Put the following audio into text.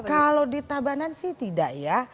kalau di tabanan sih tidak ya